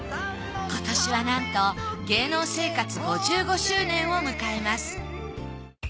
今年はなんと芸能生活５５周年を迎えます。